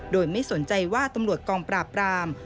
โดยไม่สนใจว่าตำรวจกองปราบราม